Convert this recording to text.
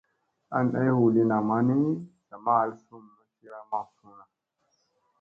An ay huu lii namma ni sa ma hal sum ma cira maŋ.